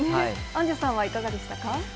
アンジュさんはいかがでしたか。